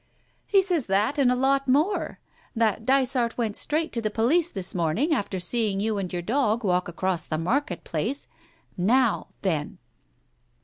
"He says that and a lot more. That Dysart went straight to the police this morning after seeing you and your dog walk across the market place — now, then